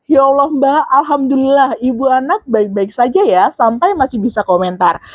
ya allah mbak alhamdulillah ibu anak baik baik saja ya sampai masih bisa komentar